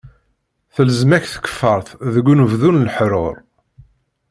Telzem-ak tkeffaṛt deg unebdu n leḥṛuṛ.